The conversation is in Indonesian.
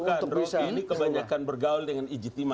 bukan ini kebanyakan bergaul dengan ijtma